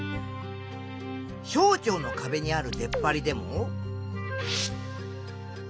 小腸のかべにある出っ張りでも。